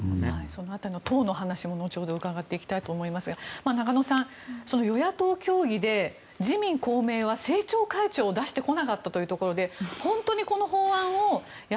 その辺りの党の話も後ほど伺っていきたいと思いますが中野さん、与野党協議で自民・公明は政調会長を出してこなかったということで本当にこの法案に。